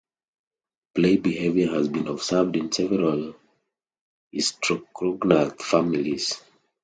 Play behavior has been observed in seven hystricognath families.